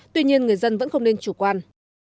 tuy nhiên người dân vẫn không nên chủ quan